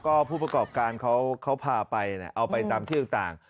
ก็ผู้ประกอบการเขาพาไปเอาไปตามที่ต่าง